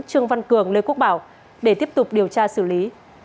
trương văn cường lê quốc bảo để tiếp tục điều tra xử lý